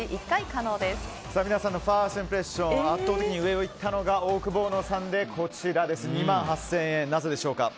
皆さんのファーストインプレッション圧倒的に上を行ったのがオオクボーノさんの２万８０００円。